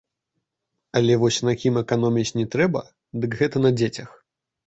Але вось на кім эканоміць не трэба, дык гэта на дзецях.